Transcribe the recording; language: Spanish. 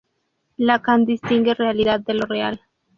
Lacan distingue realidad de Lo Real.